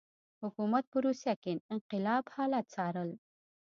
حکومت په روسیه کې انقلاب حالات څارل.